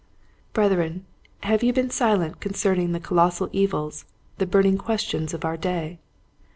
Brethren, have you been silent concern ing the colossal evils, the burning questions of our day